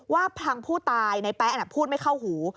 ว่าทางผู้ตายในแป๊ะพูดไม่เข้าหู